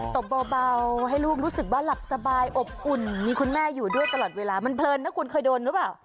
บเบาให้ลูกรู้สึกว่าหลับสบายอบอุ่นมีคุณแม่อยู่ด้วยตลอดเวลามันเพลินนะคุณเคยโดนหรือเปล่า